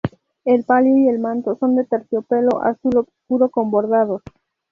El palio y el manto son de terciopelo azul oscuro con bordados.